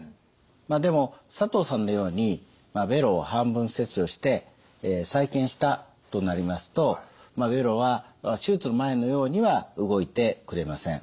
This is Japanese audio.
まあでも佐藤さんのようにべろを半分切除して再建したとなりますとべろは手術の前のようには動いてくれません。